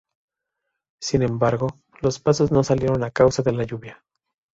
Sin embargo, los pasos no salieron a causa de la lluvia.